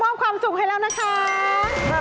เก็บรับจำนำ